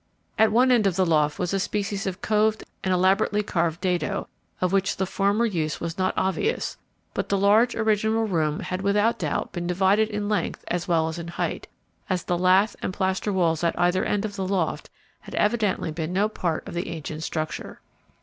At one end of the loft was a species of coved and elaborately carved dado, of which the former use was not obvious; but the large original room had without doubt been divided in length as well as in height, as the lath and plaster walls at either end of the loft had evidently been no part of the ancient structure.